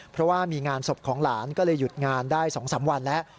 เพราะว่ามีงานศพของหลานก็เลยหยุดงานได้๒๓วันแล้ว